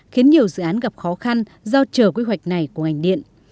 khiến nhiều dự án gặp khó khăn do trở quy hoạch này của ngành điện